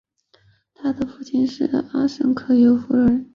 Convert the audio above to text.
他的父亲是阿什肯纳兹犹太人。